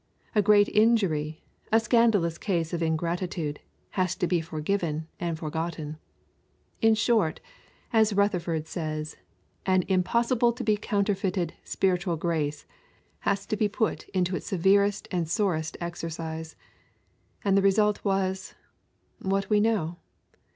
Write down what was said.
A great injury, a scandalous case of ingratitude, has to be forgiven and forgotten; in short, as Rutherford says, an impossible to be counterfeited spiritual grace has to be put into its severest and sorest exercise; and the result was what we know.